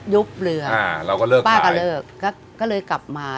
ยุบเรือป้าก็เลิกก็เลยกลับมา